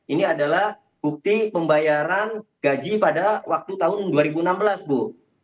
ini adalah bukti pembayaran gaji pada waktu tahun dua ribu enam belas bu